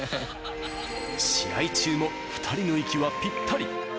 試合中も２人の息はぴったり。